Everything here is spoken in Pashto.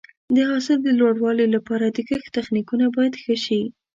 د حاصل د لوړوالي لپاره د کښت تخنیکونه باید ښه شي.